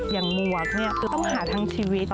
อย่างหมวกเนี่ยต้องหาทั้งชีวิต